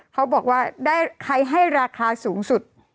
เขาบอกว่าได้ใครให้ราคาสูงสุด